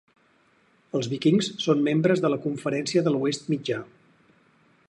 Els Vikings són membres de la Conferència de l'Oest Mitjà.